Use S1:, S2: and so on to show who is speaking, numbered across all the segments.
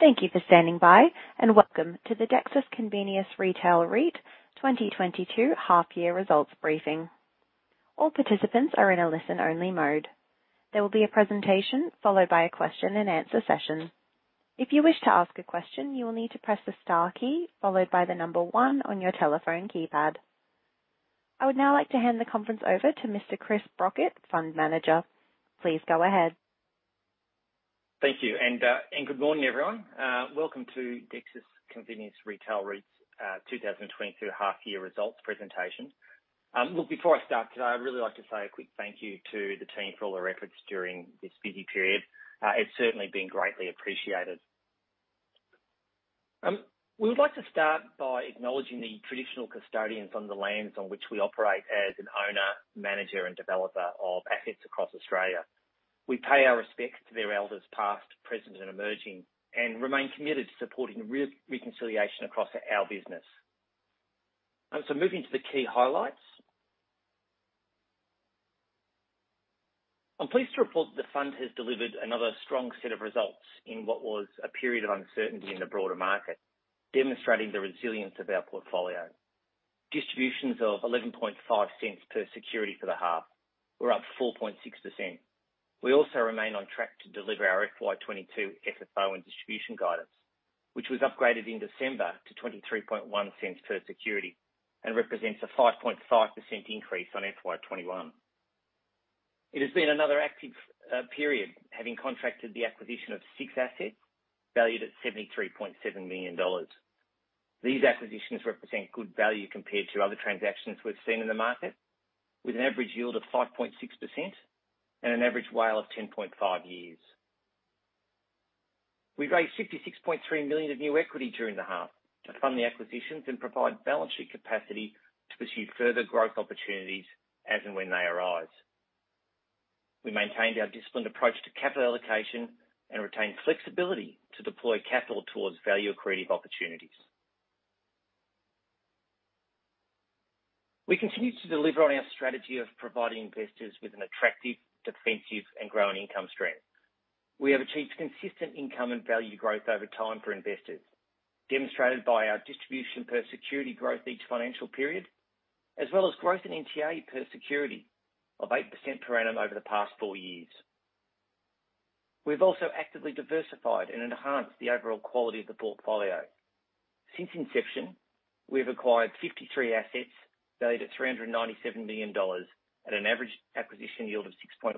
S1: Thank you for standing by, and welcome to the Dexus Convenience Retail REIT 2022 half-year results briefing. All participants are in a listen-only mode. There will be a presentation followed by a question and answer session. If you wish to ask a question, you will need to press the star key followed by the number one on your telephone keypad. I would now like to hand the conference over to Mr. Chris Brockett, Fund Manager. Please go ahead.
S2: Thank you, and good morning, everyone. Welcome to Dexus Convenience Retail REIT's 2022 half year results presentation. Look, before I start today, I'd really like to say a quick thank you to the team for all the records during this busy period. It's certainly been greatly appreciated. We would like to start by acknowledging the traditional custodians on the lands on which we operate as an owner, manager, and developer of assets across Australia. We pay our respects to their elders past, present, and emerging, and remain committed to supporting reconciliation across our business. Moving to the key highlights. I'm pleased to report that the fund has delivered another strong set of results in what was a period of uncertainty in the broader market, demonstrating the resilience of our portfolio. Distributions of 0.115 per security for the half were up 4.6%. We also remain on track to deliver our FY 2022 FFO and distribution guidance, which was upgraded in December to 0.231 per security and represents a 5.5% increase on FY 2021. It has been another active period, having contracted the acquisition of 6 assets valued at 73.7 million dollars. These acquisitions represent good value compared to other transactions we've seen in the market, with an average yield of 5.6% and an average WALE of 10.5 years. We raised 66.3 million of new equity during the half to fund the acquisitions and provide balance sheet capacity to pursue further growth opportunities as and when they arise. We maintained our disciplined approach to capital allocation and retained flexibility to deploy capital towards value-accretive opportunities. We continued to deliver on our strategy of providing investors with an attractive, defensive, and growing income stream. We have achieved consistent income and value growth over time for investors, demonstrated by our distribution per security growth each financial period, as well as growth in NTA per security of 8% per annum over the past 4 years. We've also actively diversified and enhanced the overall quality of the portfolio. Since inception, we've acquired 53 assets valued at 397 million dollars at an average acquisition yield of 6.1%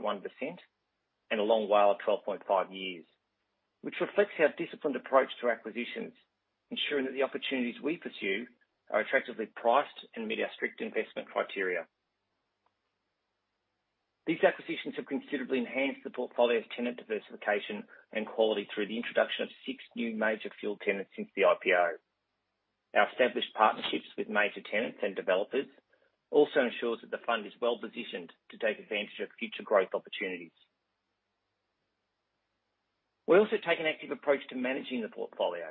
S2: and a long WALE of 12.5 years, which reflects our disciplined approach to acquisitions, ensuring that the opportunities we pursue are attractively priced and meet our strict investment criteria. These acquisitions have considerably enhanced the portfolio's tenant diversification and quality through the introduction of six new major fuel tenants since the IPO. Our established partnerships with major tenants and developers also ensures that the fund is well-positioned to take advantage of future growth opportunities. We also take an active approach to managing the portfolio.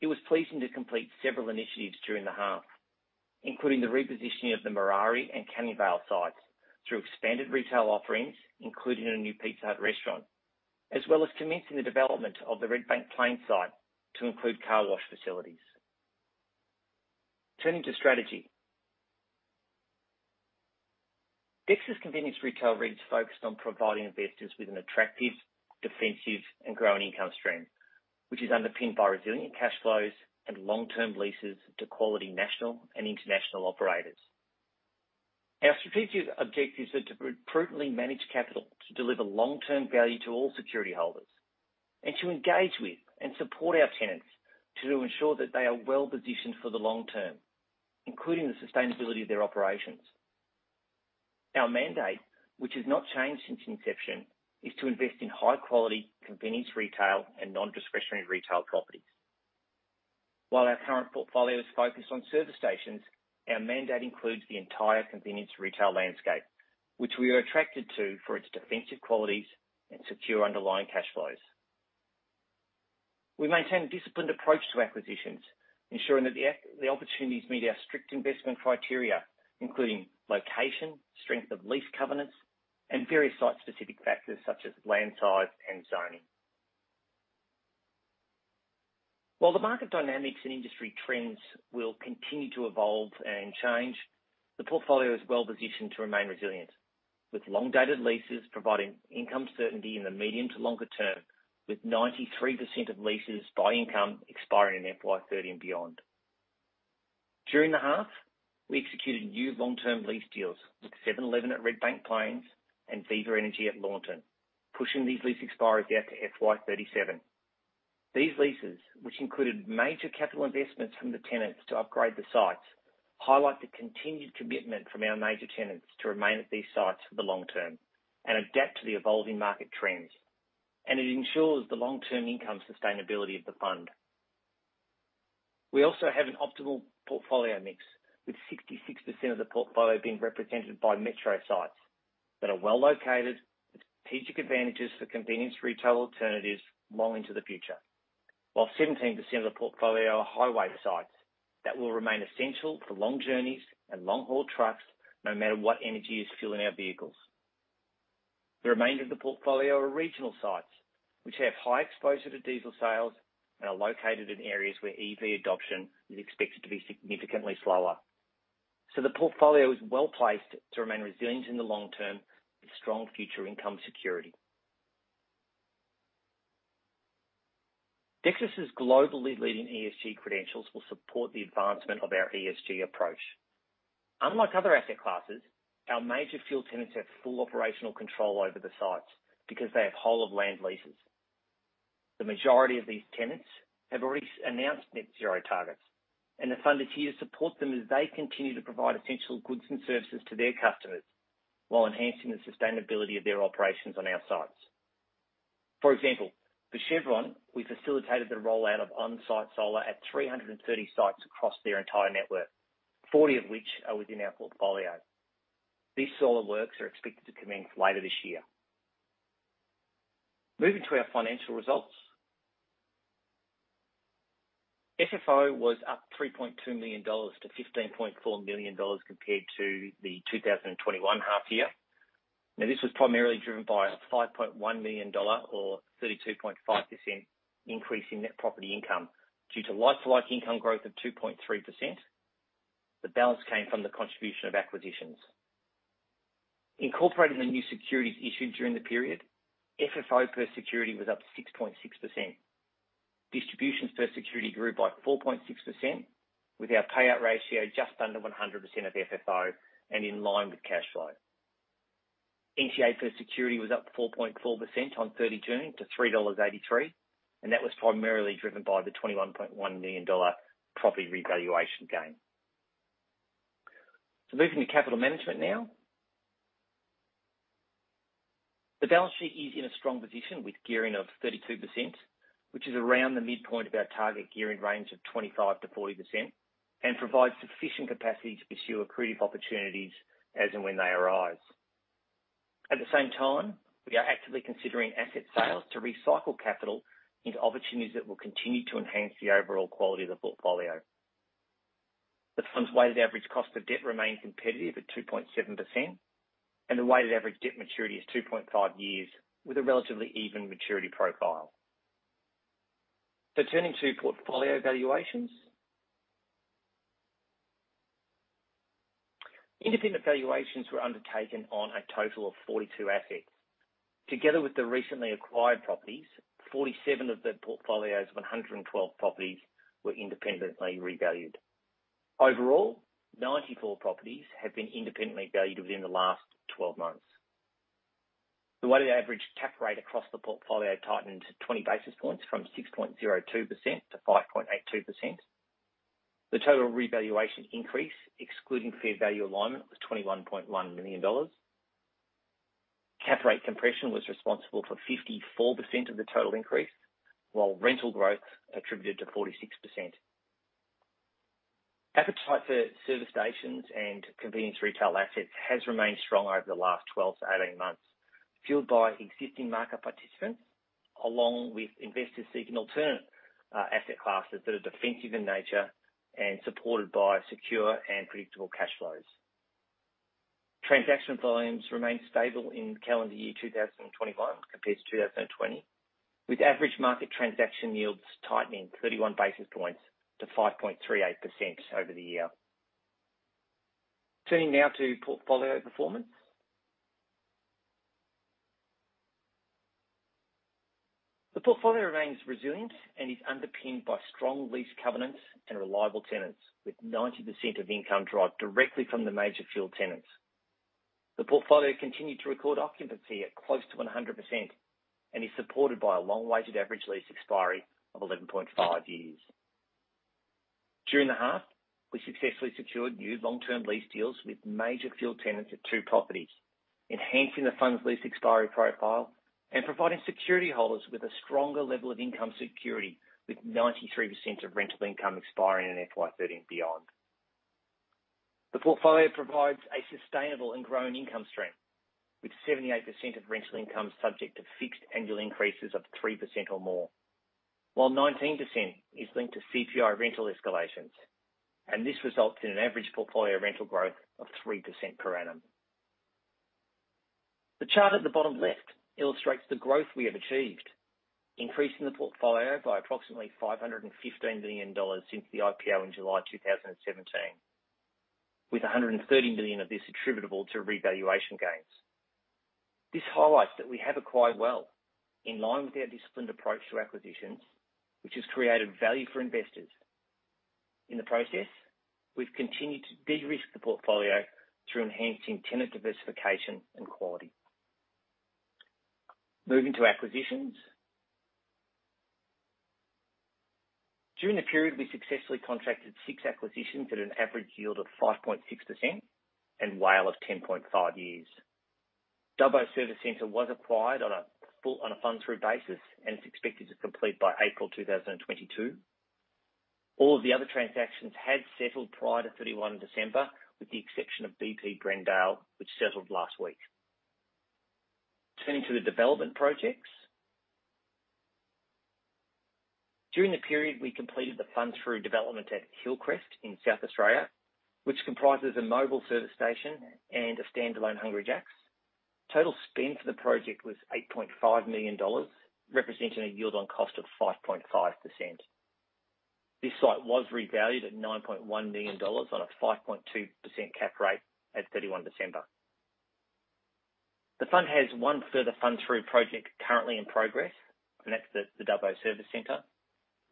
S2: It was pleasing to complete several initiatives during the half, including the repositioning of the Morley and Canning Vale sites through expanded retail offerings, including a new Pizza Hut restaurant, as well as commencing the development of the Redbank Plains site to include car wash facilities. Turning to strategy, Dexus Convenience Retail REIT is focused on providing investors with an attractive, defensive, and growing income stream, which is underpinned by resilient cash flows and long-term leases to quality national and international operators. Our strategic objectives are to prudently manage capital to deliver long-term value to all security holders, and to engage with and support our tenants to ensure that they are well-positioned for the long term, including the sustainability of their operations. Our mandate, which has not changed since inception, is to invest in high quality, convenience retail and non-discretionary retail properties. While our current portfolio is focused on service stations, our mandate includes the entire convenience retail landscape, which we are attracted to for its defensive qualities and secure underlying cash flows. We maintain a disciplined approach to acquisitions, ensuring that the opportunities meet our strict investment criteria, including location, strength of lease covenants, and various site-specific factors such as land size and zoning. While the market dynamics and industry trends will continue to evolve and change, the portfolio is well-positioned to remain resilient with long-dated leases providing income certainty in the medium to longer term, with 93% of leases by income expiring in FY 2030 and beyond. During the half, we executed new long-term lease deals with 7-Eleven at Redbank Plains and Viva Energy at Lawnton, pushing these lease expiries out to FY 2037. These leases, which included major capital investments from the tenants to upgrade the sites, highlight the continued commitment from our major tenants to remain at these sites for the long term and adapt to the evolving market trends, and it ensures the long-term income sustainability of the fund. We also have an optimal portfolio mix, with 66% of the portfolio being represented by metro sites that are well located with strategic advantages for convenience retail alternatives long into the future. While 17% of the portfolio are highway sites that will remain essential for long journeys and long-haul trucks no matter what energy is fueling our vehicles. The remainder of the portfolio are regional sites which have high exposure to diesel sales and are located in areas where EV adoption is expected to be significantly slower. The portfolio is well-placed to remain resilient in the long term with strong future income security. Dexus' globally leading ESG credentials will support the advancement of our ESG approach. Unlike other asset classes, our major fuel tenants have full operational control over the sites because they have whole of land leases. The majority of these tenants have already announced net zero targets, and the fund is here to support them as they continue to provide essential goods and services to their customers while enhancing the sustainability of their operations on our sites. For example, for Caltex, we facilitated the rollout of on-site solar at 300 sites across their entire network, 40 of which are within our portfolio. These solar works are expected to commence later this year. Moving to our financial results. FFO was up 3.2 million dollars to 15.4 million dollars compared to the 2021 half year. Now, this was primarily driven by a 5.1 million dollar or 32.5% increase in net property income due to like-for-like income growth of 2.3%. The balance came from the contribution of acquisitions. Incorporating the new securities issued during the period, FFO per security was up 6.6%. Distributions per security grew by 4.6%, with our payout ratio just under 100% of FFO and in line with cash flow. NTA per security was up 4.4% on 30 June to 3.83 dollars, and that was primarily driven by the 21.1 million dollar property revaluation gain. Moving to capital management now. The balance sheet is in a strong position with gearing of 32%, which is around the midpoint of our target gearing range of 25%-40% and provides sufficient capacity to pursue accretive opportunities as and when they arise. At the same time, we are actively considering asset sales to recycle capital into opportunities that will continue to enhance the overall quality of the portfolio. The fund's weighted average cost of debt remains competitive at 2.7%, and the weighted average debt maturity is 2.5 years with a relatively even maturity profile. Turning to portfolio valuations. Independent valuations were undertaken on a total of 42 assets. Together with the recently acquired properties, 47 of the portfolio's 112 properties were independently revalued. Overall, 94 properties have been independently valued within the last 12 months. The weighted average cap rate across the portfolio tightened 20 basis points from 6.02% to 5.82%. The total revaluation increase, excluding fair value alignment, was 21.1 million dollars. Cap rate compression was responsible for 54% of the total increase, while rental growth attributed to 46%. Appetite for service stations and convenience retail assets has remained strong over the last 12-18 months, fueled by existing market participants, along with investors seeking alternate, asset classes that are defensive in nature and supported by secure and predictable cash flows. Transaction volumes remained stable in calendar year 2021 compared to 2020, with average market transaction yields tightening 31 basis points to 5.38% over the year. Turning now to portfolio performance. The portfolio remains resilient and is underpinned by strong lease covenants and reliable tenants, with 90% of income derived directly from the major fuel tenants. The portfolio continued to record occupancy at close to 100% and is supported by a long weighted average lease expiry of 11.5 years. During the half, we successfully secured new long-term lease deals with major fuel tenants at 2 properties, enhancing the fund's lease expiry profile and providing security holders with a stronger level of income security, with 93% of rental income expiring in FY 2023 and beyond. The portfolio provides a sustainable and growing income stream, with 78% of rental income subject to fixed annual increases of 3% or more, while 19% is linked to CPI rental escalations, and this results in an average portfolio rental growth of 3% per annum. The chart at the bottom left illustrates the growth we have achieved, increasing the portfolio by approximately 515 million dollars since the IPO in July 2017, with 130 million of this attributable to revaluation gains. This highlights that we have acquired well, in line with our disciplined approach to acquisitions, which has created value for investors. In the process, we've continued to de-risk the portfolio through enhancing tenant diversification and quality. Moving to acquisitions. During the period, we successfully contracted 6 acquisitions at an average yield of 5.6% and WALE of 10.5 years. Dubbo Service Center was acquired on a fund-through basis, and it's expected to complete by April 2022. All of the other transactions had settled prior to 31 December, with the exception of BP Greendale, which settled last week. Turning to the development projects. During the period, we completed the fund-through development at Hillcrest in South Australia, which comprises a Mobil service station and a standalone Hungry Jack's. Total spend for the project was 8.5 million dollars, representing a yield on cost of 5.5%. This site was revalued at 9.1 million dollars on a 5.2% cap rate at 31 December. The fund has one further fund-through project currently in progress, and that's the Dubbo Service Center,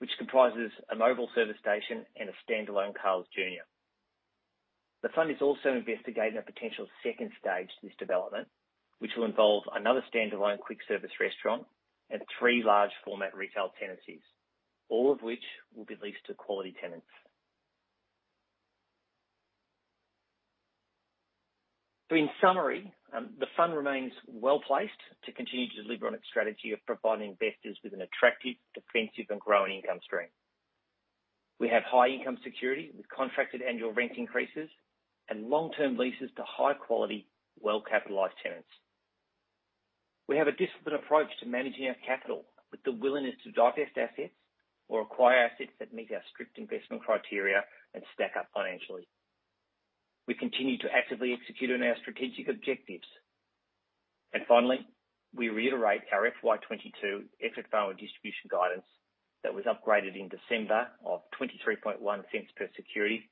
S2: which comprises a Mobil service station and a standalone Carl's Jr. The fund is also investigating a potential second stage to this development, which will involve another standalone quick service restaurant and 3 large format retail tenancies, all of which will be leased to quality tenants. In summary, the fund remains well-placed to continue to deliver on its strategy of providing investors with an attractive, defensive, and growing income stream. We have high income security with contracted annual rent increases and long-term leases to high-quality, well-capitalized tenants. We have a disciplined approach to managing our capital with the willingness to divest assets or acquire assets that meet our strict investment criteria and stack up financially. We continue to actively execute on our strategic objectives. Finally, we reiterate our FY 2023 effective final distribution guidance that was upgraded in December 2023, 0.231 per security,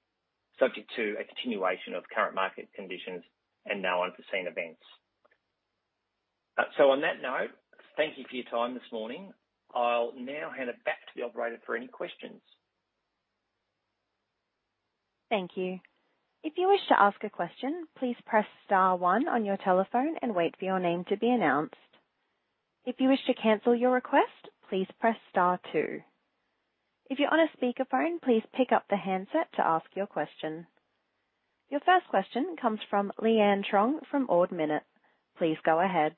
S2: subject to a continuation of current market conditions and no unforeseen events. On that note, thank you for your time this morning. I'll now hand it back to the operator for any questions.
S1: Thank you. If you wish to ask a question, please press star one on your telephone and wait for your name to be announced. If you wish to cancel your request, please press star two. If you're on a speakerphone, please pick up the handset to ask your question. Your first question comes from Leanne Truong from Ord Minnett. Please go ahead.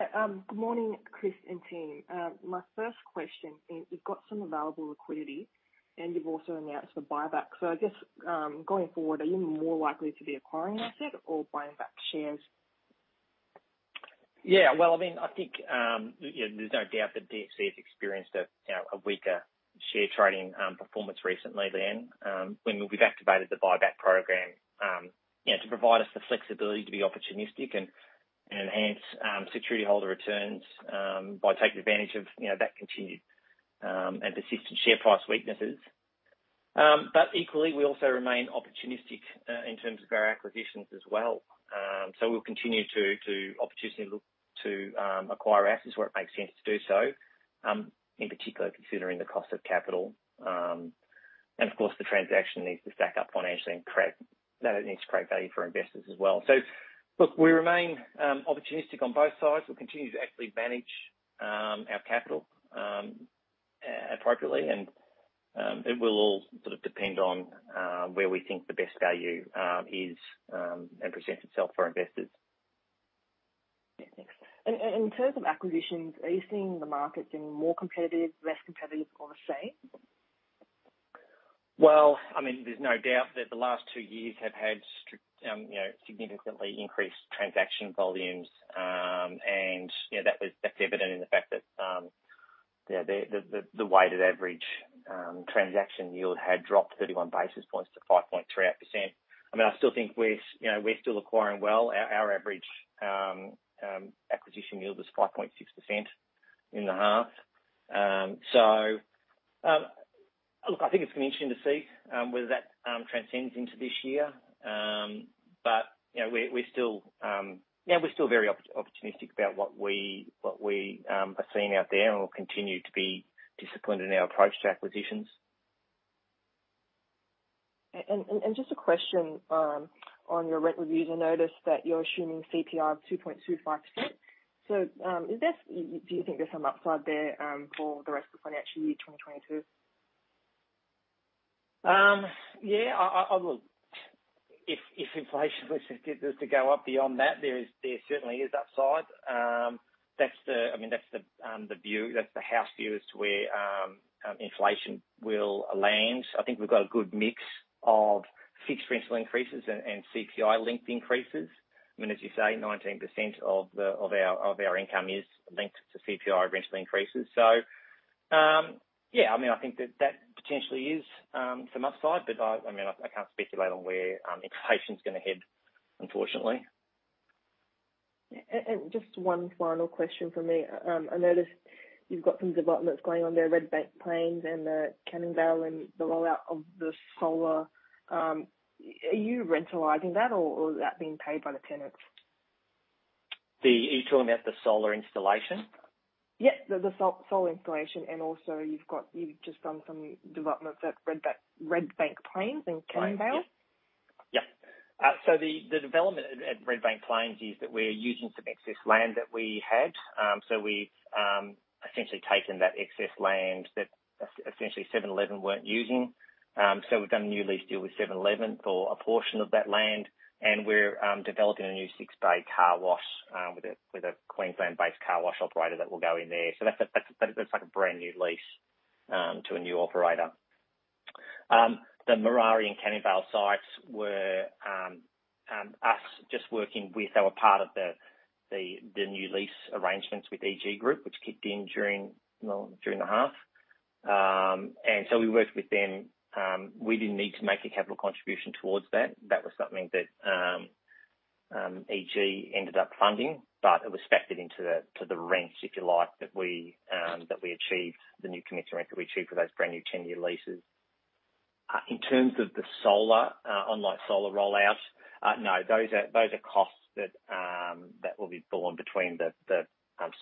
S3: Good morning, Chris and team. My first question is, you've got some available liquidity, and you've also announced a buyback. I guess, going forward, are you more likely to be acquiring asset or buying back shares?
S2: Yeah. Well, I mean, I think, you know, there's no doubt that DXC has experienced a, you know, a weaker share trading performance recently, Leanne. When we've activated the buyback program, you know, to provide us the flexibility to be opportunistic and enhance security holder returns by taking advantage of, you know, that continued and persistent share price weaknesses, but equally, we also remain opportunistic in terms of our acquisitions as well. We'll continue to opportunistically look to acquire assets where it makes sense to do so, in particular, considering the cost of capital, and of course, the transaction needs to stack up financially and create you know, it needs to create value for investors as well. Look, we remain opportunistic on both sides. We'll continue to actively manage our capital appropriately. It will all sort of depend on where we think the best value is and presents itself for our investors.
S3: Yeah, thanks. In terms of acquisitions, are you seeing the market being more competitive, less competitive or the same?
S2: Well, I mean, there's no doubt that the last two years have had significantly increased transaction volumes. That's evident in the fact that the weighted average transaction yield had dropped 31 basis points to 5.38%. I mean, I still think we're still acquiring well. Our average acquisition yield is 5.6% in the half. Look, I think it's going to be interesting to see whether that translates into this year. Yeah, we're still very opportunistic about what we are seeing out there and will continue to be disciplined in our approach to acquisitions.
S3: Just a question on your rent reviews. I noticed that you're assuming CPI of 2.25%. Do you think there's some upside there for the rest of financial year 2022?
S2: Yeah. I look, if inflation was to go up beyond that, there certainly is upside. I mean, that's the view. That's the house view as to where inflation will land. I think we've got a good mix of fixed rental increases and CPI-linked increases. I mean, as you say, 19% of our income is linked to CPI rental increases. So, yeah. I mean, I think that potentially is some upside, but I mean, I can't speculate on where inflation's gonna head, unfortunately.
S3: Yeah. Just one final question from me. I noticed you've got some developments going on there, Redbank Plains and Canning Vale and the rollout of the solar. Are you rentalizing that or is that being paid by the tenants?
S2: Are you talking about the solar installation?
S3: Yeah, the solar installation, and also you've just done some developments at Redbank Plains in Canning Vale.
S2: The development at Redbank Plains is that we're using some excess land that we had. We've essentially taken that excess land that essentially 7-Eleven weren't using. We've done a new lease deal with 7-Eleven for a portion of that land, and we're developing a new 6-bay car wash with a Queensland-based car wash operator that will go in there. That's like a brand-new lease to a new operator. The Morley and Canning Vale sites were us just working with our part of the new lease arrangements with EG Group, which kicked in during the half. We worked with them. We didn't need to make a capital contribution towards that. That was something that EG ended up funding, but it was factored into the rents, if you like, that we achieved, the new commitment rent that we achieved for those brand-new ten-year leases. In terms of the solar on like solar roll-out, no, those are costs that will be borne between the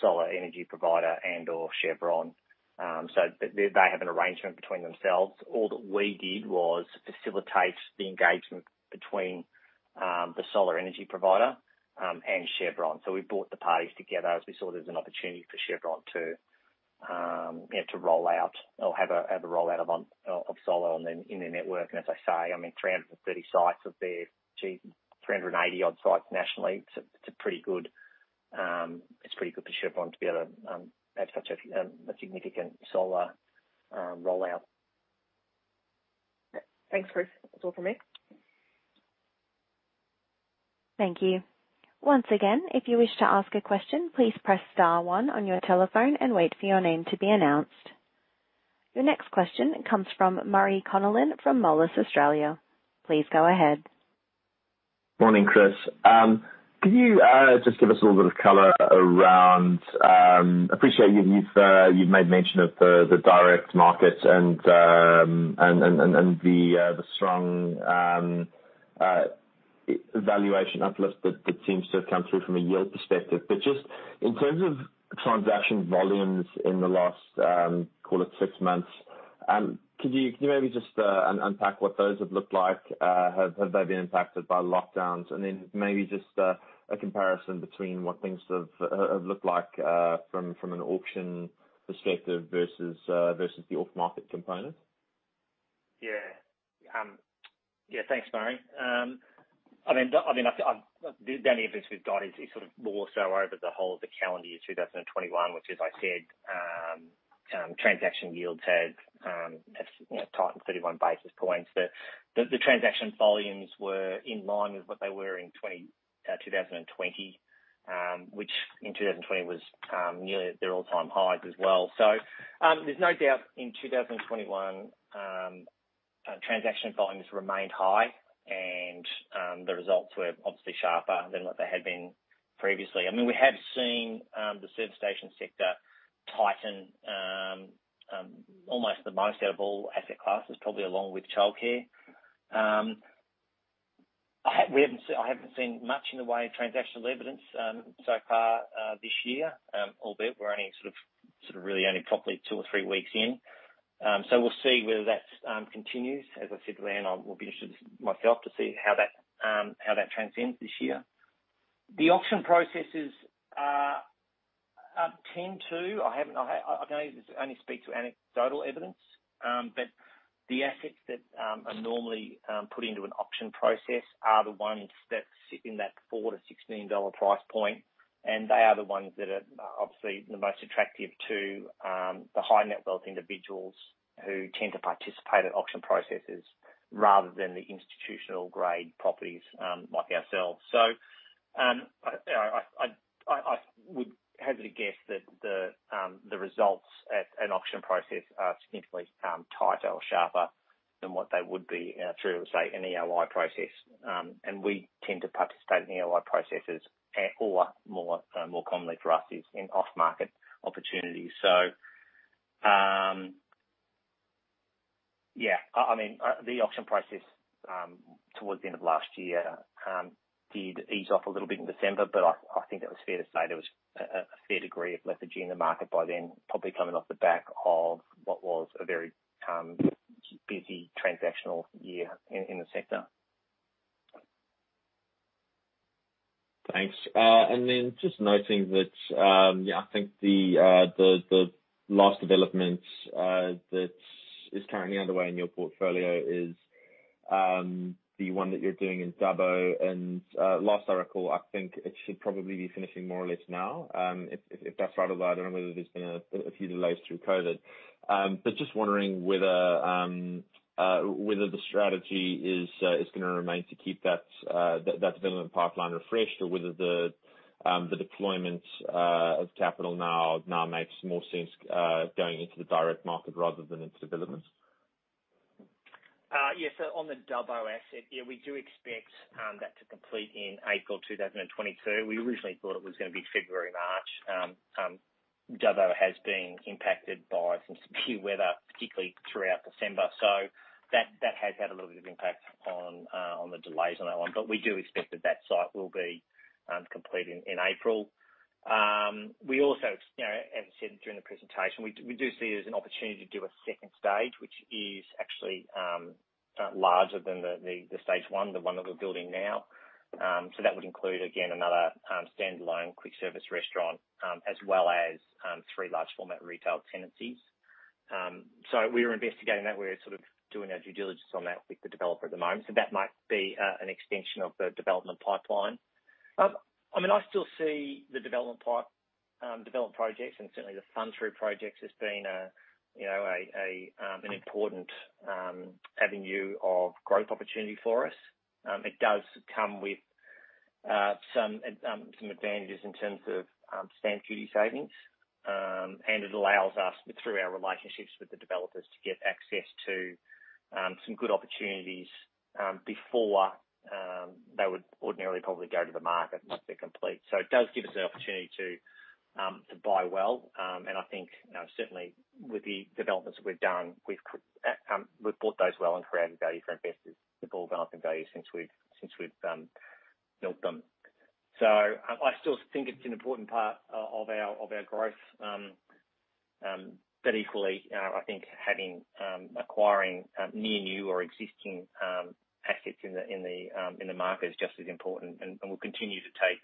S2: solar energy provider and/or Caltex. They have an arrangement between themselves. All that we did was facilitate the engagement between the solar energy provider and Caltex. We brought the parties together as we saw there's an opportunity for Caltex to, you know, to roll out or have a rollout of solar in their network. As I say, I mean, 330 sites of their 380-odd sites nationally, it's pretty good for Caltex to be able to have such a significant solar rollout. Thanks, Chris. That's all from me.
S1: Thank you. Once again, if you wish to ask a question, please press star one on your telephone and wait for your name to be announced. Your next question comes from Murray Connellan from Moelis Australia. Please go ahead.
S4: Morning, Chris. Could you just give us a little bit of color around, appreciate you've made mention of the direct markets and the strong valuation uplift that seems to have come through from a yield perspective. Just in terms of transaction volumes in the last call it six months, could you maybe just unpack what those have looked like? Have they been impacted by lockdowns? Then maybe just a comparison between what things have looked like from an auction perspective versus the off-market component.
S2: Yeah, thanks, Murray. I mean, the only evidence we've got is sort of more so over the whole of the calendar year 2021, which, as I said, transaction yields have, you know, tightened 31 basis points. The transaction volumes were in line with what they were in 2020, which in 2020 was nearly at their all-time highs as well. There's no doubt in 2021, transaction volumes remained high and the results were obviously sharper than what they had been previously. I mean, we have seen the service station sector tighten almost the most out of all asset classes, probably along with childcare. I haven't seen much in the way of transactional evidence so far this year, albeit we're only sort of really only properly 2 or 3 weeks in. We'll see whether that continues. As I said to Leanne, I will be interested myself to see how that transpires this year. I can only speak to anecdotal evidence, but the assets that are normally put into an auction process are the ones that sit in that 4-16 dollar price point, and they are the ones that are obviously the most attractive to the high net worth individuals who tend to participate in auction processes rather than the institutional grade properties like ourselves. I you know I would hazard a guess that the results at an auction process are significantly tighter or sharper than what they would be through, say, an EOI process. We tend to participate in EOI processes or more commonly for us is in off-market opportunities. Yeah, I mean, the auction process towards the end of last year did ease off a little bit in December, but I think it was fair to say there was a fair degree of lethargy in the market by then, probably coming off the back of what was a very busy transactional year in the sector.
S4: Thanks. Just noting that, yeah, I think the last development that is currently underway in your portfolio is the one that you're doing in Dubbo. Last I recall, I think it should probably be finishing more or less now, if that's right. Although I don't know whether there's been a few delays through COVID. Just wondering whether the strategy is gonna remain to keep that development pipeline refreshed or whether the deployment of capital now makes more sense going into the direct market rather than into development.
S2: Yeah. On the Dubbo asset, we do expect that to complete in April 2022. We originally thought it was gonna be February, March. Dubbo has been impacted by some severe weather, particularly throughout December. That has had a little bit of impact on the delays on that one. We do expect that site will be complete in April. We also, you know, as said during the presentation, we do see it as an opportunity to do a second stage, which is actually larger than the stage one, the one that we're building now. That would include, again, another standalone quick service restaurant, as well as three large format retail tenancies. We're investigating that. We're sort of doing our due diligence on that with the developer at the moment. That might be an extension of the development pipeline. I mean, I still see the development part, development projects and certainly the fund-through projects as being, you know, an important avenue of growth opportunity for us. It does come with some advantages in terms of stamp duty savings. It allows us through our relationships with the developers to get access to some good opportunities before they would ordinarily probably go to the market once they're complete. It does give us the opportunity to buy well. I think, you know, certainly with the developments that we've done, we've bought those well and created value for investors. They've all gone up in value since we've built them. I still think it's an important part of our growth. Equally, you know, I think acquiring near new or existing assets in the market is just as important. We'll continue to take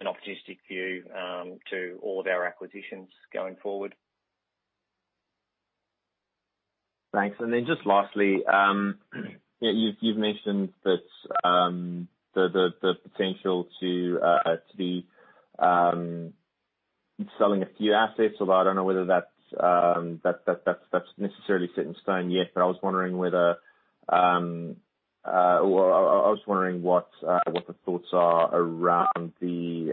S2: an opportunistic view to all of our acquisitions going forward.
S4: Thanks. Just lastly, yeah, you've mentioned that the potential to be selling a few assets, although I don't know whether that's necessarily set in stone yet. I was wondering what the thoughts are around the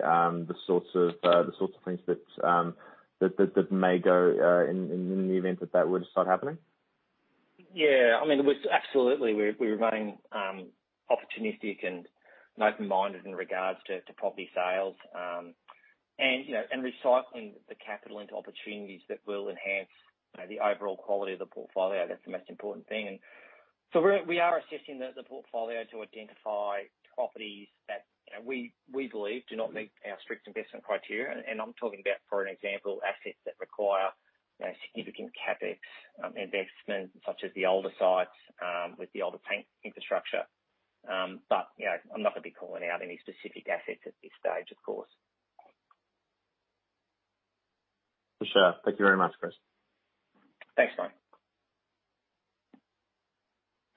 S4: sorts of things that may go in the event that would start happening.
S2: Yeah. I mean, we're absolutely remaining opportunistic and open-minded in regards to property sales. You know, recycling the capital into opportunities that will enhance you know, the overall quality of the portfolio. That's the most important thing. We're assessing the portfolio to identify properties that you know, we believe do not meet our strict investment criteria. I'm talking about, for an example, assets that require you know, significant CapEx investment such as the older sites with the older tank infrastructure. You know, I'm not gonna be calling out any specific assets at this stage, of course.
S4: For sure. Thank you very much, Chris.
S2: Thanks, Murray.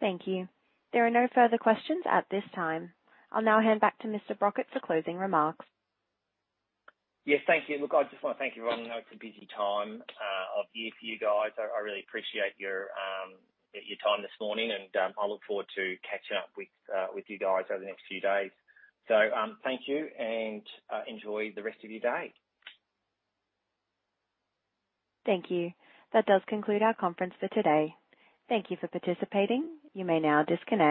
S1: Thank you. There are no further questions at this time. I'll now hand back to Mr. Brockett for closing remarks.
S2: Yes, thank you. Look, I just wanna thank everyone. I know it's a busy time of year for you guys. I really appreciate your time this morning and I look forward to catching up with you guys over the next few days. So, thank you and enjoy the rest of your day.
S1: Thank you. That does conclude our conference for today. Thank you for participating. You may now disconnect.